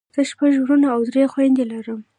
زه شپږ وروڼه او درې خويندې لرم.